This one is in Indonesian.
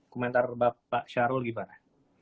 komentar bapak syarul gimana